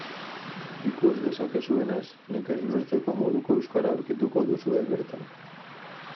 Ikus dezakezuenez, nekez ulertzeko moduko euskara aurkituko duzue berton.